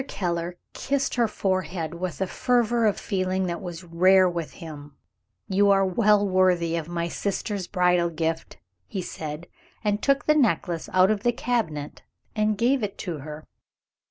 Mr. Keller kissed her forehead with a fervor of feeling that was rare with him. "You are well worthy of my sister's bridal gift," he said and took the necklace out of the cabinet, and gave it to her.